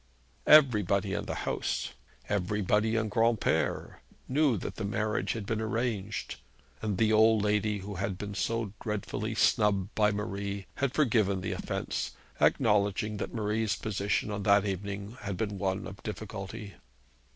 Everybody in the house, everybody in Granpere, knew that the marriage had been arranged, and the old lady who had been so dreadfully snubbed by Marie, had forgiven the offence, acknowledging that Marie's position on that evening had been one of difficulty.